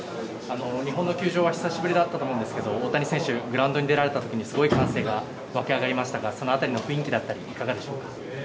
日本の球場は久しぶりだったと思うんですけど大谷選手がグラウンドに出られたときにすごく歓声が沸き上がりましたがその辺りの雰囲気だったりいかがですか。